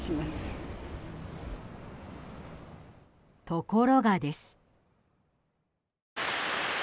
ところがです。